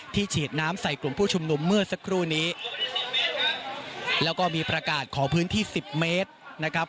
ฉีดน้ำใส่กลุ่มผู้ชุมนุมเมื่อสักครู่นี้แล้วก็มีประกาศขอพื้นที่สิบเมตรนะครับ